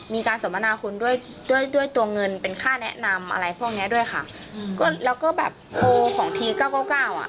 สมนาคุณด้วยด้วยด้วยตัวเงินเป็นค่าแนะนำอะไรพวกเนี้ยด้วยค่ะอืมก็แล้วก็แบบโทรของทีเก้าเก้าเก้าอ่ะ